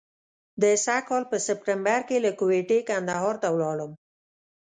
د سږ کال په سپټمبر کې له کوټې کندهار ته ولاړم.